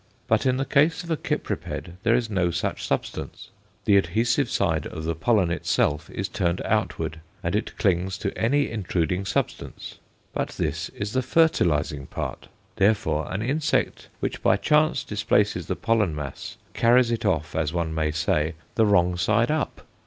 But in the case of a Cypriped there is no such substance, the adhesive side of the pollen itself is turned outward, and it clings to any intruding substance. But this is the fertilizing part. Therefore, an insect which by chance displaces the pollen mass carries it off, as one may say, the wrong side up.